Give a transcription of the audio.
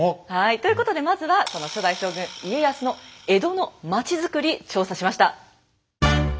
ということでまずはこの初代将軍家康の江戸の町づくり調査しました。